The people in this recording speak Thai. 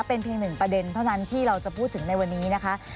เป็นเพียงหนึ่งประเด็นเท่านั้นที่เราจะพูดถึงในวันนี้นะคะ